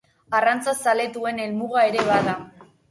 Arrantza zaletuen helmuga ere bada.